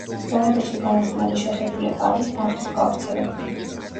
სწორედ ეს უკანასკნელი შეხედულება არის ფართოდ გავრცელებული.